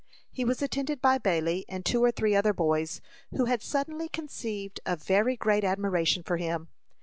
He was attended by Bailey and two or three other boys, who had suddenly conceived a very great admiration for him.